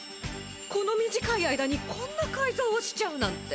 この短い間にこんなかいぞうをしちゃうなんて。